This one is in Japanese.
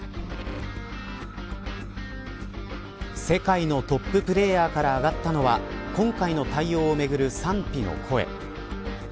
世界のトッププレーヤーから上がったのは今回の対応をめぐる賛否の声。